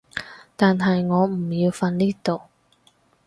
但係我唔要瞓呢度